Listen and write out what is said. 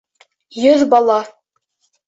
Йөҙ бала!